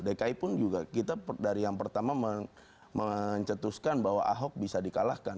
dki pun juga kita dari yang pertama mencetuskan bahwa ahok bisa dikalahkan